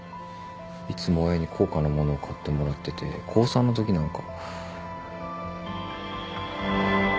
いつも親に高価なものを買ってもらってて高３のときなんか。